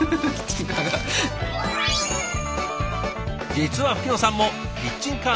実は吹野さんもキッチンカーの常連。